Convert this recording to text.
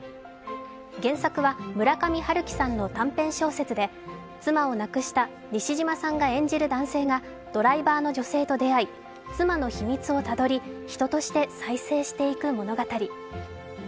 原作は村上春樹さんの短編小説で妻を亡くした西島さんが演じる男性がドライバーの女性と出会い、妻の秘密をたどり、人として再生していく物語。